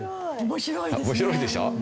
面白いでしょ？